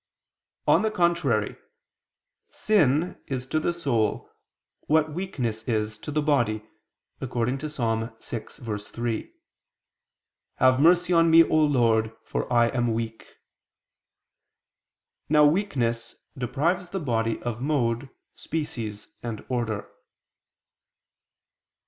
On the contrary, Sin is to the soul what weakness is to the body, according to Ps. 6:3, "Have mercy on me, O Lord, for I am weak." Now weakness deprives the body of mode, species and order.